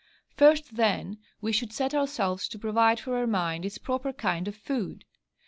First, then, we should set ourselves to provide for our mind its proper kind of food.